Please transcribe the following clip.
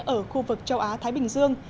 ở khu vực châu á thái bình dương